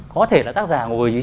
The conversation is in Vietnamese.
có thể là tác giả ngồi dưới